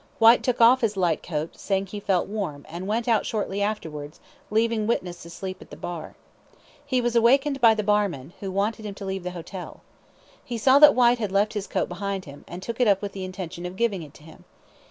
Whyte took off his light coat, saying he felt warm, and went out shortly afterwards, leaving witness asleep in the bar. He was awakened by the barman, who wanted him to leave the hotel. He saw that Whyte had left his coat behind him, and took it up with the intention of giving it to him.